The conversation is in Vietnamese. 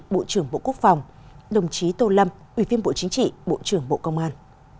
bộ trưởng bộ quốc phòng đồng chí tô lâm ủy viên bộ chính trị bộ trưởng bộ công an